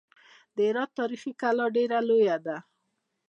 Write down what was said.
د هرات تاریخي کلا ډېره لویه ده.